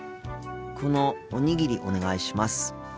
このおにぎりお願いします。